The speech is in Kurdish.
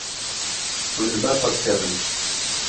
Hûn li ber xwe dikevin.